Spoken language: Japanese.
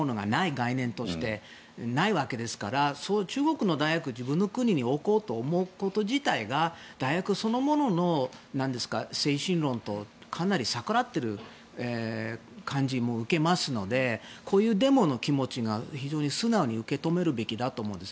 概念としてないわけですから中国の大学を自分の国に置こうと思うこと自体が大学そのものの精神論にかなり逆らっている感じも受けますのでこういうデモの気持ちを非常に素直に受け止めるべきだと思うんです。